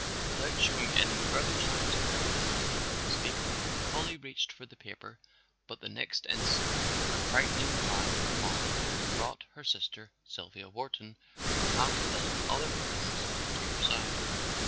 Without showing any further signs of recognizing the speaker, Polly reached for the paper, but the next instant her frightened cry for Mollie brought her sister, Sylvia Wharton, and half a dozen other persons to her side.